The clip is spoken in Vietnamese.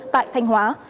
tại thanh hóa